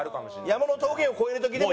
山の峠を越える時でも。